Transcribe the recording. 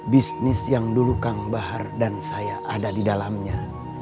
bisnis yang dulu kang bahar dan saya ada di dalamnya